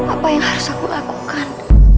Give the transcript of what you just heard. apa yang harus aku lakukan